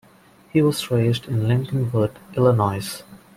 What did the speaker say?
He was raised in Lincolnwood Illinois.